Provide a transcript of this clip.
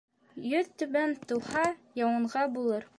Йөҙтүбән тыуһа, яуынға булыр.